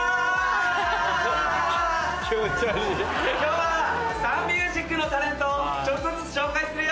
今日はサンミュージックのタレントをちょっとずつ紹介するよ。